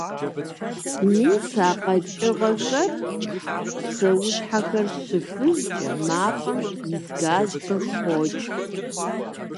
Мис а къэкӀыгъэхэр, псэущхьэхэр щыфыжкӀэ мафӀэм ис газ къыхокӀ.